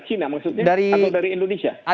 cina maksudnya atau dari indonesia